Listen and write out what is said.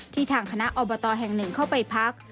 ทางคณะอบตแห่งหนึ่งเข้าไปพัก